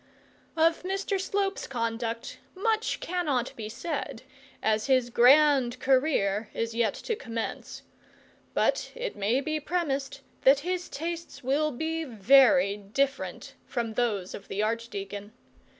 Of Mr Slope's conduct much cannot be said, as his grand career is yet to commence; but it may be presumed that his tastes will be very different from those of the archdeacon.